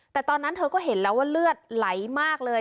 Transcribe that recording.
แต่ตอนนั้นเธอก็เห็นแล้วว่าเลือดไหลมากเลย